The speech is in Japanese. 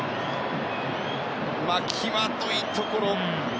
際どいところ。